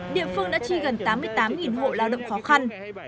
địa phương đã chi gần tám mươi tám hộ lao động khó khăn